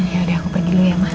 ya udah aku pergi dulu ya mas